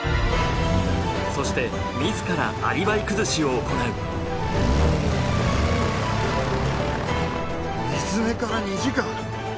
そして自らアリバイ崩しを行う水根から２時間。